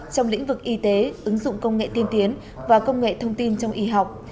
trong lĩnh vực y tế ứng dụng công nghệ tiên tiến và công nghệ thông tin trong y học